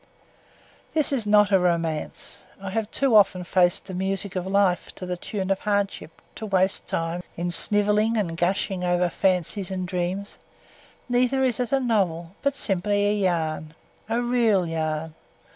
_ _This is not a romance I have too often faced the music of life to the tune of hardship to waste time in snivelling and gushing over fancies and dreams; neither is it a novel, but simply a yarn a real yarn.